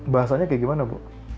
bahasanya kayak gimana bu